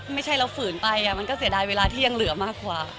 ไม่ใช่เราฝืนไปมันก็เสียดายเวลาที่ยังเหลือมากกว่า